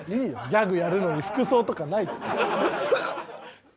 ギャグやるのに服装とかない。